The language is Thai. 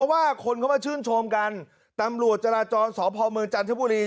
ว่าคนเข้ามาชื่นชมกันตำรวจจราจรสพเมืองจันทบุรี